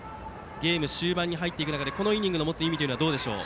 ゲーム終盤に入る中でこのイニングの持つ意味はどうでしょう。